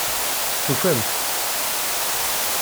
Tufamt-t?